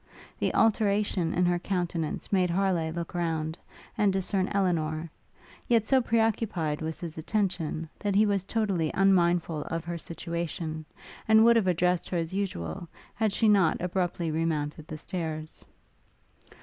The alteration in her countenance made Harleigh look round, and discern Elinor; yet so pre occupied was his attention, that he was totally unmindful of her situation, and would have addressed her as usual, had she not abruptly re mounted the stairs.